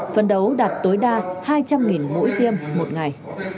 phấn đấu đạt tối đa hai trăm linh mũi tiêm một ngày